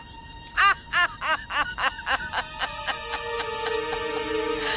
アハハハハ！